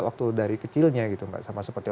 waktu dari kecilnya gitu mbak sama seperti